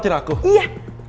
mau ngeraktir aku